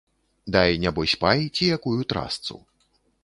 Дай нябось пай ці якую трасцу.